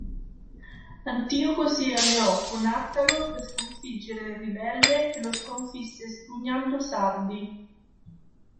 Antioco si alleò con Attalo per sconfiggere il ribelle e lo sconfisse espugnando Sardi.